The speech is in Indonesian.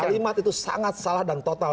kalimat itu sangat salah dan total